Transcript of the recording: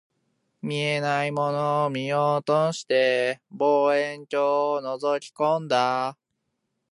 見えないものを見ようとして、望遠鏡を覗き込んだ